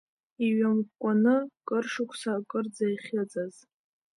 Иҩамкәкәаны кыр шықәса акырӡа иахьыҵаз…